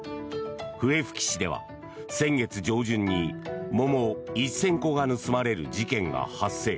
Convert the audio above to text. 笛吹市では先月上旬に桃１０００個が盗まれる事件が発生。